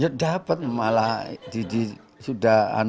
ya dapat malah sudah diberi dulu